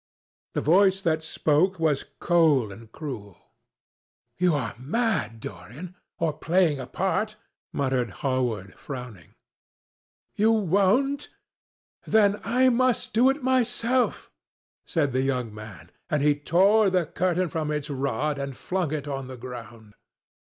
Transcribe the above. The voice that spoke was cold and cruel. "You are mad, Dorian, or playing a part," muttered Hallward, frowning. "You won't? Then I must do it myself," said the young man, and he tore the curtain from its rod and flung it on the ground.